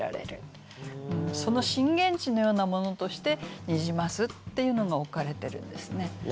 その震源地のようなものとして「ニジマス」っていうのが置かれてるんですね。